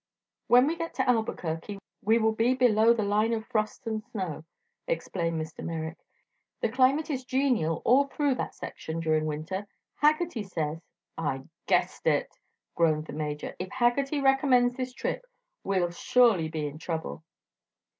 "When we get to Albuquerque we will be below the line of frosts and snow," explained Mr. Merrick. "The climate is genial all through that section during winter. Haggerty says " "I guessed it!" groaned the Major. "If Haggerty recommends this trip we'll surely be in trouble."